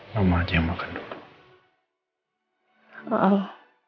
mama aja yang makan dulu